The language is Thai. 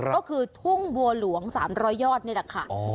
ก็คือทุ่งบัวหลวง๓๐๐ยอดนี่แหละค่ะ